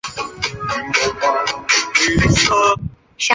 藏历木兔年生于四川理塘的达仓家。